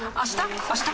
あした？